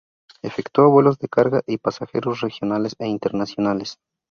Efectúa vuelos de carga y pasajeros regionales e internacionales.